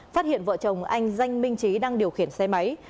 phát hiện vợ chồng anh danh minh trí đang điều khiển xe máy